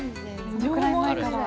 どれくらい前から？